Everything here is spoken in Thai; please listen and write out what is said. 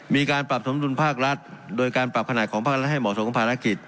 มีการปรับสมดุลภาครัฐโดยการปรับขนาดของภาครัฐให้เหมาะสมกับภารกิจ